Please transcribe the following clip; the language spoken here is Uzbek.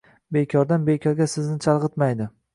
bekordan-bekorga sizni chalg‘itmaydi.